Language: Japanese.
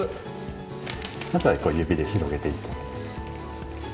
あとは指で広げていって。